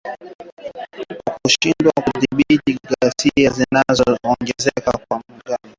kwa kushindwa kudhibiti ghasia zinazoongezeka za wanamgambo wa kiislam